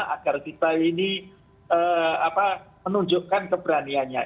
agar kita ini menunjukkan keberaniannya